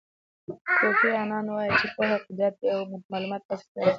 کوفی انان وایي چې پوهه قدرت دی او معلومات په اصل کې ازادي ده.